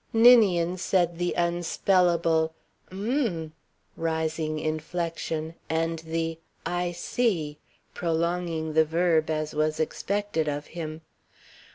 Ninian said the un spellable "m m," rising inflection, and the "I see," prolonging the verb as was expected of him.